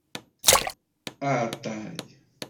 Aɛeṭṭay!